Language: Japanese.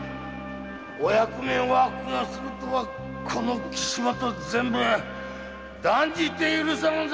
お役目を悪用するとはこの岸本善兵衛断じて許さぬぞ。